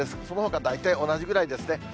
そのほか大体同じぐらいですね。